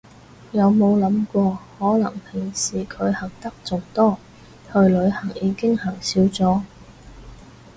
有冇諗過可能平時佢行得仲多，去旅行已經行少咗